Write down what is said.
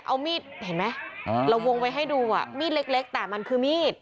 เอามีดเห็นไหมเราวงไว้ให้ดูอ่ะมีดเล็กแต่มันคือมีด